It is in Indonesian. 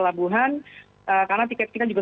labuhan karena tiket kita juga